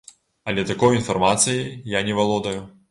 Але такой інфармацыяй я не валодаю.